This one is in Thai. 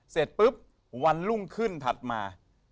เสร็จปุ๊บวันรุ่งขึ้นถัดมา